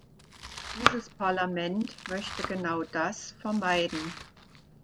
Dieses Parlament möchte genau das vermeiden.